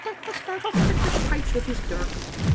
up the startled crittur's pipes wi* his dirk.